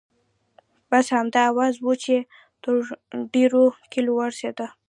بس همدا اوازه وه چې تر ډېرو کلیو ورسیده.